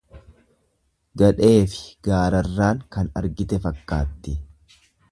Gadheefi gaararraan kan argite fakkaatti.